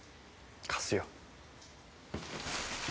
貸すよ。